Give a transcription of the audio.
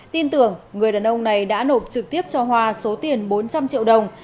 tin tưởng người đàn ông này đã nộp trực tiếp cho hoa số tiền bốn trăm linh triệu đồng